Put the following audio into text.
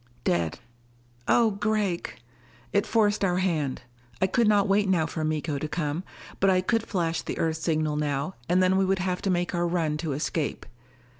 "Dead." "Oh Gregg " It forced our hand. I could not wait now for Miko to come. But I could flash the Earth signal now, and then we would have to make our run to escape.